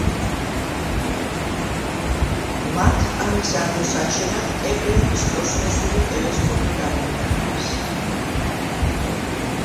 მათ ამის აღმოსაჩენად კეპლერის კოსმოსური ტელესკოპი გამოიყენეს.